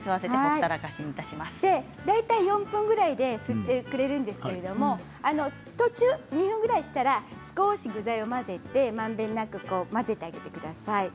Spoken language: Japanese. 大体４分ぐらいで吸ってくれるんですけど途中、２分ぐらいしたら少し具材を混ぜてまんべんなく混ぜてあげてください。